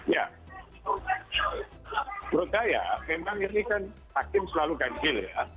ya menurut saya memang ini kan hakim selalu ganjil ya